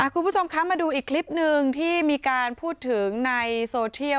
คุณผู้ชมคะมาดูอีกคลิปหนึ่งที่มีการพูดถึงในโซเทียล